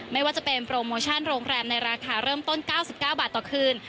ไม่ว่าจะเป็นโปรโมชั่นโรงแรมในราคาเริ่มต้น๙๙บาทต่อคืน